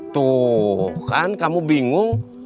tuh kan kamu bingung